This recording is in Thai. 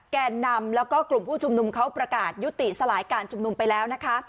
แกนนำแล้วก็กลุ่มผู้ชุมนุมเขาประกาศยุติสลายการชุมนุมไปแล้วนะคะ